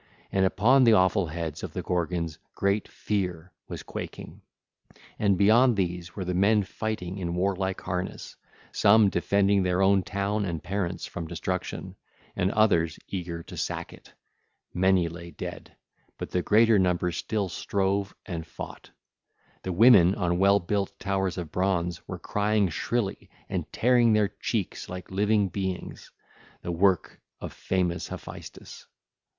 And upon the awful heads of the Gorgons great Fear was quaking. (ll. 237 270) And beyond these there were men fighting in warlike harness, some defending their own town and parents from destruction, and others eager to sack it; many lay dead, but the greater number still strove and fought. The women on well built towers of bronze were crying shrilly and tearing their cheeks like living beings—the work of famous Hephaestus.